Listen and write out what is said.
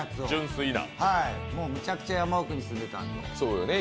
もうめちゃくちゃ山奥に住んでたんで。